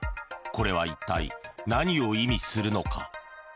これは一体、何を意味するのか。